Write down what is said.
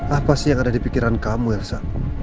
apa sih yang ada di pikiran kamu elsa